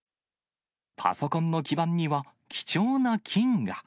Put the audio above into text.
パソコンの基板には、貴重な金が。